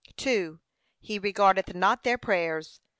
He regardeth not their prayers.